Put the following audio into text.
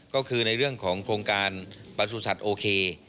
ก็คือในเรื่องของโครงการประสุทธิ์โอเค